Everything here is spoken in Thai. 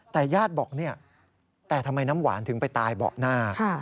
แต่ญาติบอกเนี่ยแต่ทำไมน้ำหวานถึงไปตายเบาะหน้า